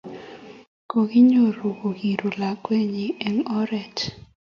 kokinyoru kokiru lakwani eng' oret.